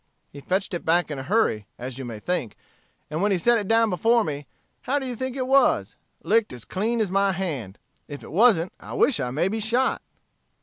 He fetched it back in a hurry, as you may think. And when he set it down before me, how do you think it was? Licked as clean as my hand. If it wasn't, I wish I may be shot!